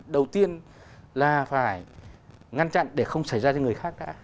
đầu tiên là phải ngăn chặn để không xảy ra cho người khác cả